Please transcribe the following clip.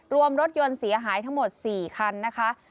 รวมรถยนต์เสียหายทั้งหมด๔คันนะคะ